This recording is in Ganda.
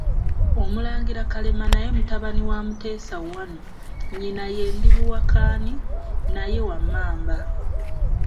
OMULANGIRA Kalema naye mutabani wa Mutesa I nnyina ye Ndibuwakaani, naye wa Mmamba.